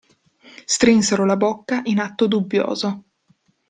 Strinsero la bocca in atto dubbioso.